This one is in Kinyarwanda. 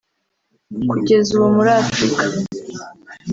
Kugeza ubu muri Afurika